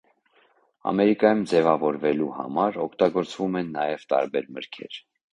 Ամերիկայում ձևավորելու համար օգտագործում են նաև տարբեր մրգեր։